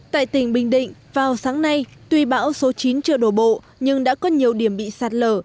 tại tỉnh bình định vào sáng nay tuy bão số chín chưa đổ bộ nhưng đã có nhiều điểm bị sạt lở